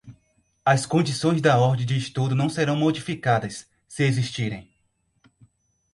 As condições da ordem de estudo não serão modificadas, se existirem.